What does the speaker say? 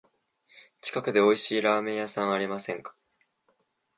近くでおいしいラーメン屋ありませんか？